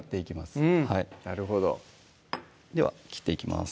うんなるほどでは切っていきます